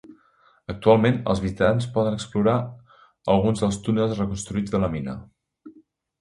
Actualment els visitants poden explorar alguns dels túnels reconstruïts de la mina.